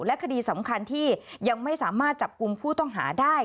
และคดีสำคัญที่ยังไม่สามารถจับกลุ่มผู้ต้องหาได้